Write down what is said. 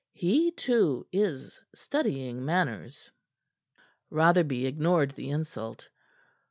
He, too, is studying manners." Rotherby ignored the insult.